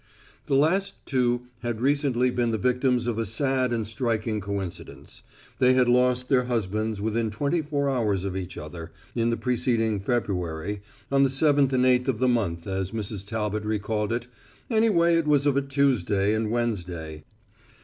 The last two had recently been the victims of a sad and striking coincidence. They had lost their husbands within twenty four hours of each other, in the preceding February, on the seventh and eighth of the month as Mrs. Talbot recalled it, anyway it was of a Tuesday and Wednesday.